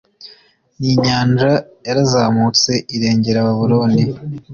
n inyanja yarazamutse irengera babuloni